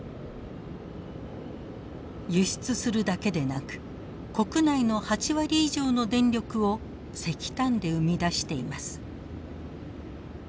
輸出するだけでなく国内の８割以上の電力を石炭で生み出しています。